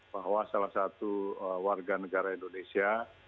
bahwa salah satu warga negara indonesia